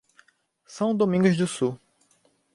São Domingos do Sul